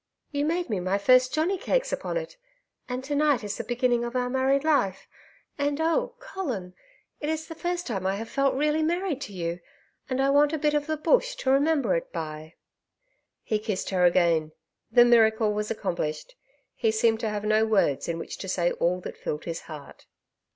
'You made me my first johnny cakes upon it.... And to night is the beginning of our married life and oh, Colin, it is the first time I have felt really married to you, and I want a bit of the bush to remember it by.' He kissed her again.... The miracle was accomplished. He seemed to have no words in which to say all that filled his heart.